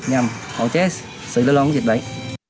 hoặc chết sự đổi lanh của dịch bệnh